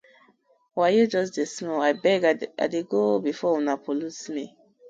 Wayo just smell, I beg I dey go befor una pollute mi.